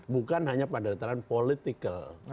bukan hanya pada tataran politikal